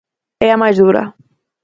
É a máis dura.